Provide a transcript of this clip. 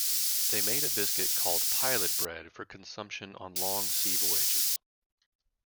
They made a biscuit called pilot bread for consumption on long sea voyages.